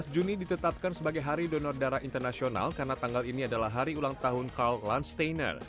empat belas juni ditetapkan sebagai hari donor darah internasional karena tanggal ini adalah hari ulang tahun karl landsteiner